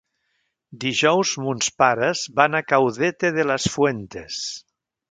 Dijous mons pares van a Caudete de las Fuentes.